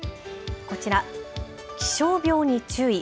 こちら、気象病に注意。